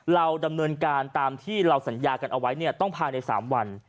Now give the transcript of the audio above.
เราดำเนินการตามที่เราสัญญากันเอาไว้เนี่ยต้องภายใน๓วัน